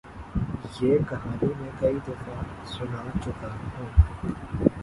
یہ کہانی میں کئی دفعہ سنا چکا ہوں۔